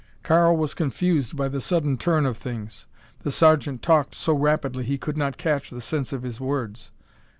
Karl was confused by the sudden turn of things. The sergeant talked so rapidly he could not catch the sense of his words.